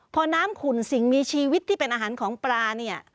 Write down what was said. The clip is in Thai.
พอน้ำขุ่นสิ่งมีชีวิตที่เป็นอาหารของปลาเนี่ย